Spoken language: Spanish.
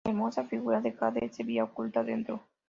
La hermosa figura de jade se veía oculta dentro.